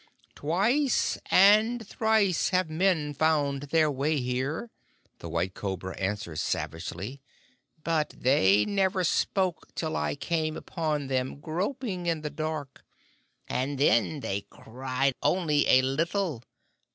"Twice and thrice have men found their way here," the White Cobra answered savagely; "but they never spoke till I came upon them groping in the dark, and then they cried only a little time.